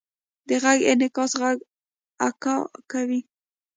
د غږ انعکاس غږ اکو کوي.